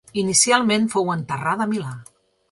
Inicialment fou enterrada a Milà.